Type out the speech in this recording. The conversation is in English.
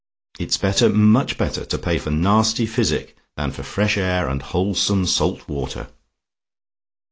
It's better much better to pay for nasty physic than for fresh air and wholesome salt water.